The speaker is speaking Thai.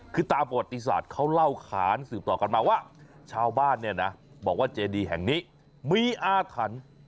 คือตามประวัติศาสตร์เขาเล่าขานสืบต่อกันมาว่าชาวบ้านเนี่ยนะบอกว่าเจดีแห่งนี้มีอาถรรพ์